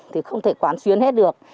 thì không thể quản xuyến hết được